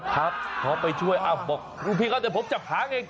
ครับขอไปช่วยบอกรุ่นพี่เขาเดี๋ยวผมจับหางเอง